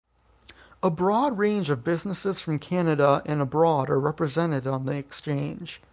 A broad range of businesses from Canada and abroad are represented on the exchange.